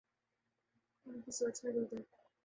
ان کی سوچ محدود ہے۔